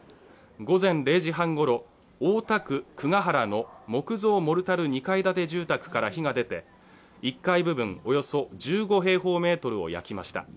午前０時半ごろ、大田区久が原の木造モルタル２階建て住宅から火が出て、１階部分およそ１５平方メートルが焼けました。